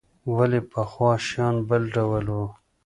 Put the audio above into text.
ولې پخوا شیان بل ډول وو؟